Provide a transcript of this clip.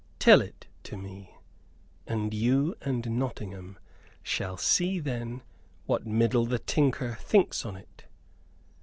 Tell it to me, and you and Nottingham shall see then what Middle the Tinker thinks on it."